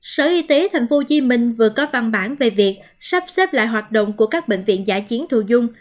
sở y tế tp hcm vừa có văn bản về việc sắp xếp lại hoạt động của các bệnh viện giả chiến thù dung